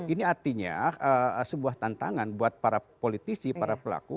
ini artinya sebuah tantangan buat para politisi para pelaku